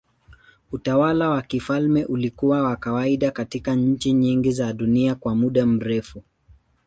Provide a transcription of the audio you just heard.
Utawala wa kifalme ulikuwa wa kawaida katika nchi nyingi za dunia kwa muda mrefu.